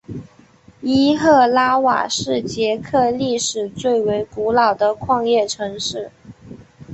伊赫拉瓦是捷克历史最为古老的矿业城市。